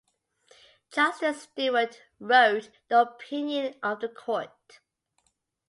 Justice Stewart wrote the opinion of the court.